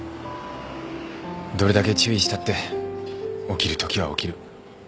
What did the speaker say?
どれだけ注意したって起きるときは起きる。